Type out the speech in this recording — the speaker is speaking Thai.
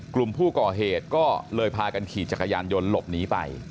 กลุ่มผู้ก่อเหตุก็เลยพากันขี่จักรยานยนต์หลบหนีไป